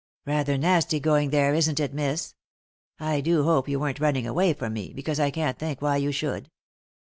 " Rather nasty going there, isn't it, miss ? I do hope you weren't running away from me, because I can't think why you should."